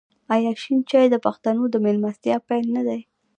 آیا شین چای د پښتنو د میلمستیا پیل نه دی؟